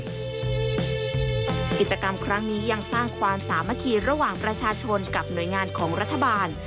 กิจกรรมครั้งนี้ยังสร้างความสามัคคีระหว่างประชาชนกับหน่วยงานของรัฐบาล